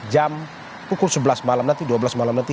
jam pukul dua belas malam nanti